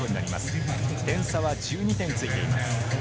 点差は１２点ついています。